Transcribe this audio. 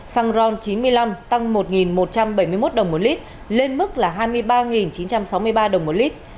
xăng ron chín mươi năm tăng một một trăm bảy mươi một đồng một lit lên mức hai mươi ba chín trăm sáu mươi ba đồng một lit